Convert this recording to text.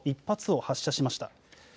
１発を発射しました。